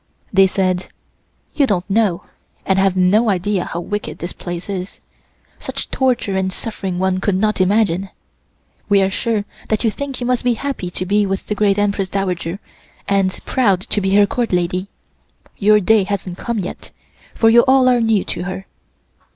They said: "You don't know, and have no idea how wicked this place is; such torture and suffering one could not imagine. We are sure that you think you must be happy to be with the great Empress Dowager, and proud to be her Court Lady. Your day hasn't come yet, for you all are new to her.